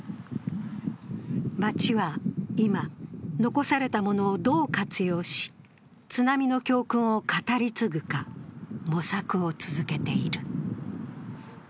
町は今、残されたものをどう活用し津波の教訓を語り継ぐか模索を続けている。